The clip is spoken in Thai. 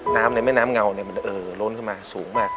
น้ำเนี่ยแม่น้ำเงาเนี่ยมันโรนขึ้นมาสูงมาก